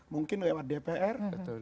mungkin lewat dpr